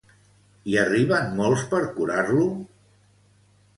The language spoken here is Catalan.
Hi arriben molts per curar-lo?